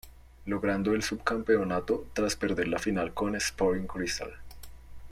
Logrando el sub-campeonato tras perder la final con Sporting Cristal.